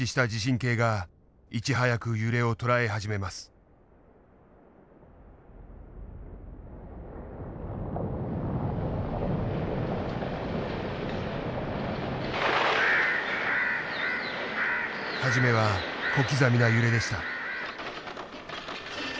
初めは小刻みな揺れでした。